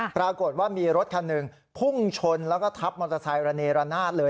ปรากฏว่ามีรถคันหนึ่งพุ่งชนแล้วก็ทับมอเตอร์ไซค์ระเนรนาศเลย